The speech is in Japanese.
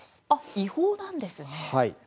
違法なんですね。